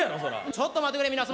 ちょっと待ってくれ皆様。